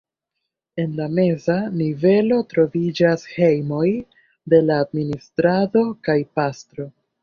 En la meza nivelo troviĝas hejmoj de la administrado kaj pastro.